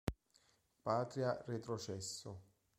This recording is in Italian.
Patria retrocesso.